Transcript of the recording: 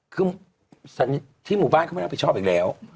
คือที่หมู่บ้านเขาไม่รับผิดชอบอีกแล้ว